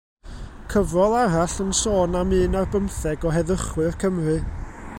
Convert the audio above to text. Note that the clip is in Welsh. Cyfrol arall yn sôn am un ar bymtheg o heddychwyr Cymru.